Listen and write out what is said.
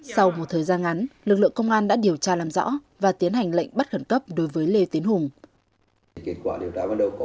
sau một thời gian ngắn lực lượng công an đã điều tra làm rõ và tiến hành lệnh bắt khẩn cấp đối với lê tiến hùng